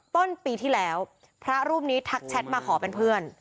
ต้นปีที่แล้วพระรูปนี้ทักแชทมาขอเป็นเพื่อน